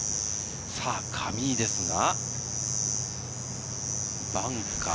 上井ですが、バンカー。